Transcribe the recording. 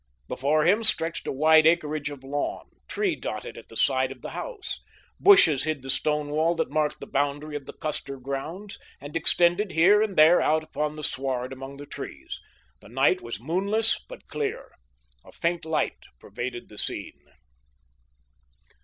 Before him stretched a wide acreage of lawn, tree dotted at the side of the house. Bushes hid the stone wall that marked the boundary of the Custer grounds and extended here and there out upon the sward among the trees. The night was moonless but clear. A faint light pervaded the scene.